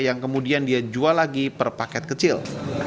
yang kemudian dia jual lagi per paket kecil